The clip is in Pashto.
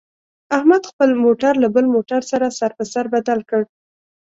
احمد خپل موټر له بل موټر سره سر په سر بدل کړ.